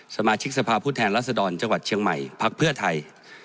สมาชิกสภาพผู้แทนรัศดรจังหวัดเชียงใหม่พักเพื่อไทย